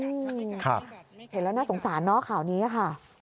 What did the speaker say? อืมครับเห็นแล้วน่าสงสารเนอะข่าวนี้ค่ะ